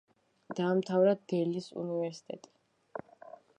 დაამთავრა დელის უნივერსიტეტი.